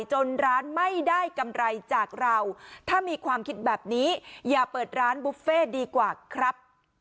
จนร้านไม่ได้กำไรจากเราถ้ามีความคิดแบบนี้อย่าเปิดร้านบุฟเฟ่ดีกว่าครับ